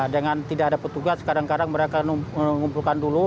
dengan tidak ada petugas kadang kadang mereka mengumpulkan dulu